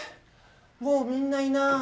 もうみんないない？